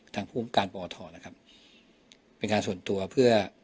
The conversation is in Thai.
ทางภูมิการปทนะครับเป็นการส่วนตัวเพื่อ